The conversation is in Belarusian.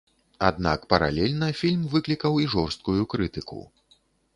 Аднак паралельна фільм выклікаў і жорсткую крытыку.